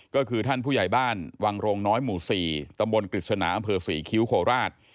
ก็คือท่านผู้ใหญ่บ้านวังโรงน้อยหมู่๔ตำบลกฤษณาอำเภอศรีคิ้วโคราช